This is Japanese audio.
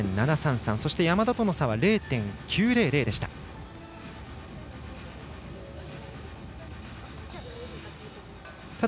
そして山田との差は０．９００でした。